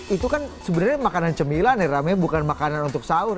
itu kan sebenarnya makanan cemilan ya rame bukan makanan untuk sahur